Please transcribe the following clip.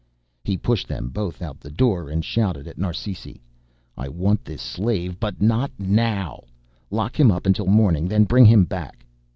He pushed them both out the door and shouted at Narsisi. "I wanted this slave, but not now! Lock him up until morning then bring him back."